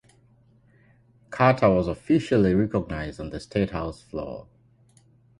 Carter was officially recognized on the state house floor.